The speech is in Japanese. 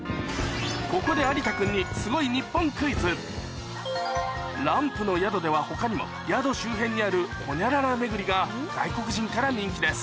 ここで有田君にランプの宿では他にも宿周辺にあるホニャララ巡りが外国人から人気です